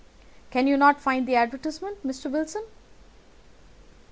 Can you not find the advertisement, Mr. Wilson?"